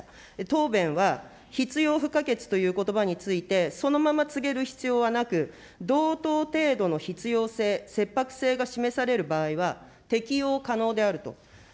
答弁は、必要不可欠ということばについて、そのまま告げる必要はなく、同等程度の必要性、切迫性が示される場合は適用可能であると。